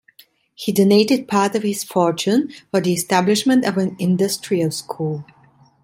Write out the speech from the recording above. He donated part of his fortune for the establishment of an "industrial school".